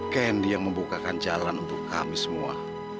kendi yang membukakan jalan untuk kami semua